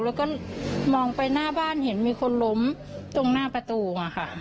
แล้วก็มองไปหน้าบ้านเห็นมีคนล้มตรงหน้าประตูค่ะ